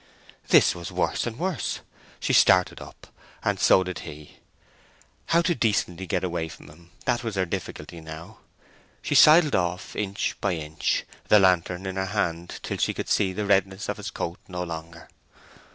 This was worse and worse. She started up, and so did he. How to decently get away from him—that was her difficulty now. She sidled off inch by inch, the lantern in her hand, till she could see the redness of his coat no longer.